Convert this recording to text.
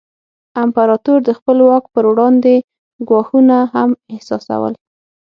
امپراتور د خپل واک پر وړاندې ګواښونه هم احساسول.